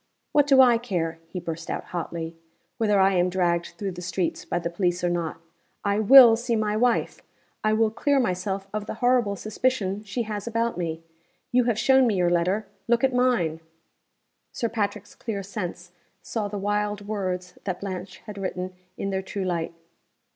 "What do I care," he burst out, hotly, "whether I am dragged through the streets by the police or not! I will see my wife. I will clear myself of the horrible suspicion she has about me. You have shown me your letter. Look at mine!" Sir Patrick's clear sense saw the wild words that Blanche had written in their true light.